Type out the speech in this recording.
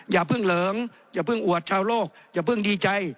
อย่าเพิ่งเหลิงอย่าเพิ่งอวดชาวโลกอย่าเพิ่งดีใจ